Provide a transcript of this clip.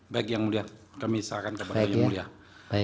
baik yang mulya kami saalkan kepada yang mulya